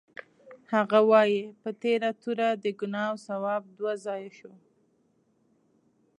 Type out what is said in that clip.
هغه وایي: په تېره توره د ګناه او ثواب دوه ځایه شو.